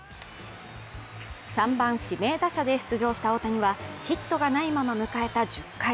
３番・指名打者で出場した大谷は、ヒットがないまま迎えた１０回。